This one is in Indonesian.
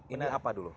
ini apa dulu